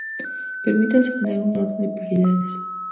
Permite asignar un orden de prioridades.